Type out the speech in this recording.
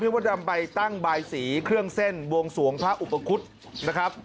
มดดำไปตั้งบายสีเครื่องเส้นบวงสวงพระอุปคุฎนะครับ